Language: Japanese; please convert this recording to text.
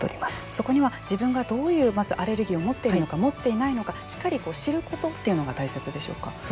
そこには、自分がどういうまずアレルギーを持っているのか持っていないのかしっかり知ることっていうのがそうですね。